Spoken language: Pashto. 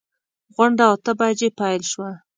غونډه اته بجې پیل شوه.